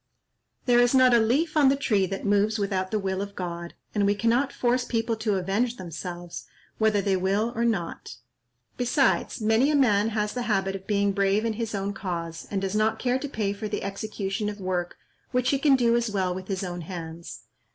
There is not a leaf on the tree that moves without the will of God, and we cannot force people to avenge themselves, whether they will or not. Besides, many a man has the habit of being brave in his own cause, and does not care to pay for the execution of work which he can do as well with his own hands."